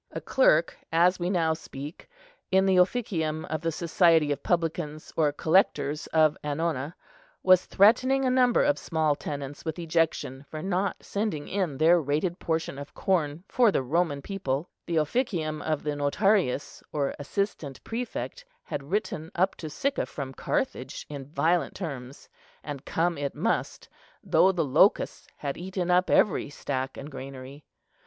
A clerk, as we now speak, in the Officium of the society of publicans or collectors of annona was threatening a number of small tenants with ejection for not sending in their rated portion of corn for the Roman people:—the Officium of the Notarius, or assistant prefect, had written up to Sicca from Carthage in violent terms; and come it must, though the locusts had eaten up every stack and granary.